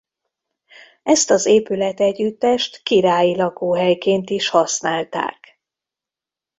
Ezt az épületegyüttest királyi lakóhelyként is használták.